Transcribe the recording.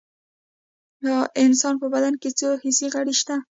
د انسان په بدن کې څو حسي غړي شته